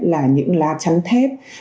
là những lá trắng thép